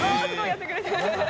やってくれてる。